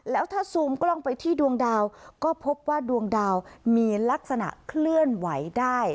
แล้วถ้าซูมกล้องไปที่ดวงดาวก็พบว่าดวงดาวมีลักษณะเคลื่อนไหวได้